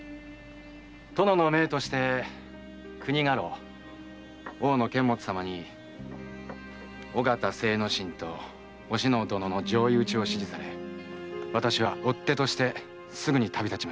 殿の命として国家老・大野様に尾形精之進とお篠殿の上意討ちを指示され私は追手としてすぐに旅立ちました。